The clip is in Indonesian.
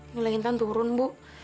nilai intan turun bu